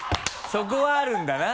そこはあるんだな。